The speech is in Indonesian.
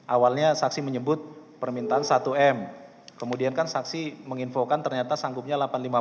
awalnya saksi menyebut permintaan satu m kemudian kan saksi menginfokan ternyata sanggupnya delapan ratus lima puluh